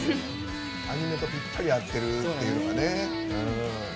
アニメとぴったり合ってるっていうのがね。